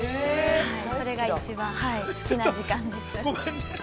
それが一番、はい好きなんです。